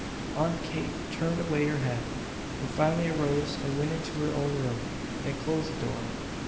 Aunt Kate turned away her head, and finally arose and went into her own room and closed the door.